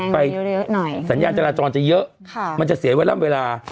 ไปเร็วเร็วหน่อยสัญญาณจราจรจะเยอะค่ะมันจะเสียไวรัมเวลา